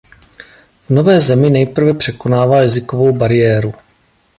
V nové zemi nejprve překonává jazykovou bariéru.